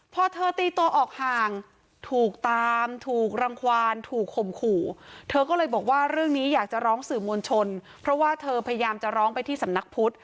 พอเธอตีตัวออกห่างถูกตามถูกรังความถูกข่มขู่เธอก็เลยบอกว่าเรื่องนี้อยากจะร้องสื่อมวลชนเพราะว่าเธอพยายามจะร้องไปที่สำนักพุทธ